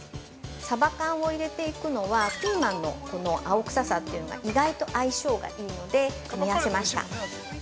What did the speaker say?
サバ缶を入れていくのはピーマンの青臭さというのが意外と相性がいいので組み合わせました。